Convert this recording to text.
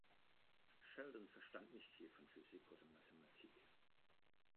Sheldon verstand nicht viel von Physik oder Mathematik.